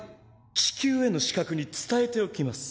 地球への刺客に伝えておきます。